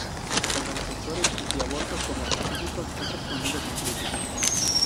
Tanto defensores anti-aborto como científicos han respondido con críticas.